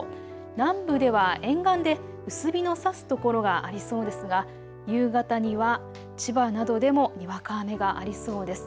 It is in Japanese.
南部では沿岸で薄日のさす所がありそうですが夕方には千葉などでもにわか雨がありそうです。